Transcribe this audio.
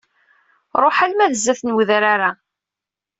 Ruḥ alma d sdat n wedrar-a.